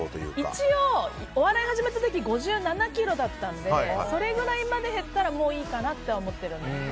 一応、お笑いを始めた時５７ｋｇだったんでそれぐらいまで減ったらもういいかなとは思ってます。